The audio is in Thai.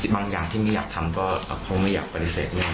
บางอย่างที่ไม่อยากทำก็คงไม่อยากปฏิเสธงาน